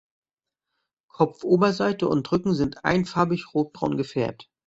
Kopfoberseite und Rücken sind einfarbig rotbraun gefärbt.